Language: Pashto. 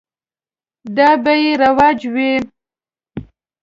دا به یې رواج وي.